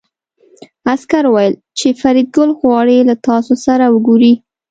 عسکر وویل چې فریدګل غواړي له تاسو سره وګوري